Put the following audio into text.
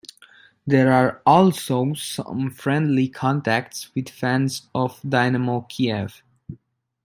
There are also some friendly contacts with fans of Dynamo Kiev.